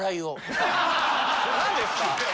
何ですか？